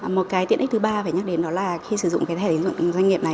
một cái tiện ích thứ ba phải nhắc đến đó là khi sử dụng cái thẻ tín dụng doanh nghiệp này